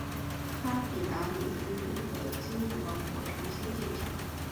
他抵达米斯龙德的精灵王国重新建交。